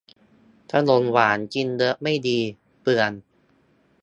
ขนมหวานกินเยอะไม่ดี เปลือง